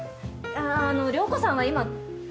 あぁあの涼子さんは今。